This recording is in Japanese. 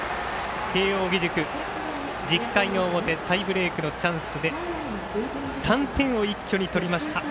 慶応義塾、１０回の表タイブレークのチャンスで３点を一挙に取りました。